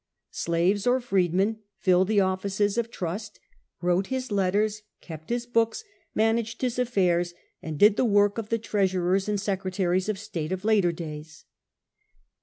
Slaves or freedmen filled the offices of trust, wrote his letters, kept his books, managed his affairs, and did the work of the treasurers and secretaries of state of later days.